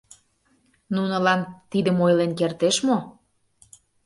Нунылан тидым ойлен кертеш мо?